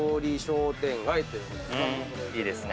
いいですね。